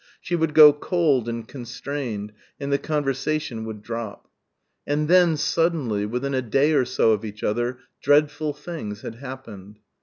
She would grow cold and constrained, and the conversation would drop. And then, suddenly, within a day or so of each other, dreadful things had happened.